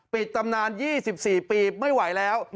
ตำนาน๒๔ปีไม่ไหวแล้ว